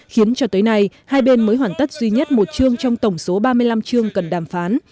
khiến cho tới nay hai bên mới hoàn tất duy nhất một chương trong tổng số ba mươi năm chương cần đàm phán